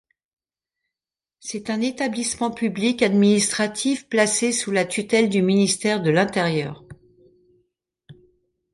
C'est un établissement public administratif placé sous la tutelle du ministère de l'Intérieur.